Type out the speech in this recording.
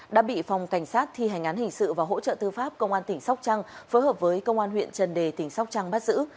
đã bị phòng cảnh sát thi hành án hình sự và hỗ trợ tư pháp công an tỉnh sóc trăng phối hợp với công an huyện trần đề tỉnh sóc trăng bắt giữ